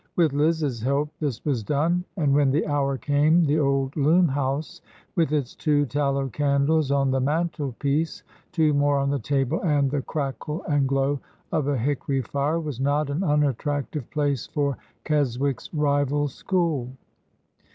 With Liz's help this was done, and when the hour came the old loom house, with its two tallow candles on the mantelpiece, two more on the table, and the crackle and glow of a hickory fire, was not an unattractive place for Keswick's rival school.